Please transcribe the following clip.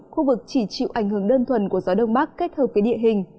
khu vực chỉ chịu ảnh hưởng đơn thuần của gió đông bắc kết hợp với địa hình